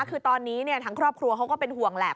คือตอนนี้ทางครอบครัวเขาก็เป็นห่วงแหละ